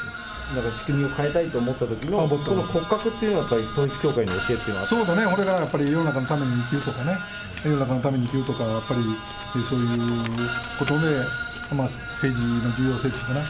だから仕組みを変えたいと思ったときの、その骨格というのは統一教会の教えというのはあったそうだね、それが世の中のために生きるとか、世の中のために生きるとか、やっぱりそういうことで、政治の重要性というかな。